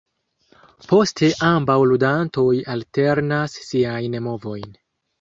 Poste ambaŭ ludantoj alternas siajn movojn.